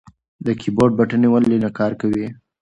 د کیبورډ بټنې ولې نه کار کوي؟